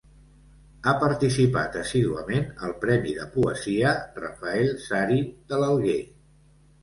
Ha participat assíduament al premi de poesia Rafael Sari de l'Alguer.